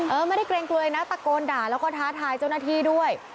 เออไม่ได้เกรงกลัวเลยนะตะโกนด่าแล้วก็ท้าทายเจ้าหน้าที่ด้วย